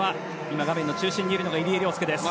今、画面の中心にいるのが入江陵介です。